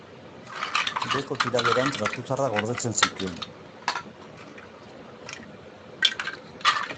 Beheko tiraderan trapu zaharrak gordetzen zituen.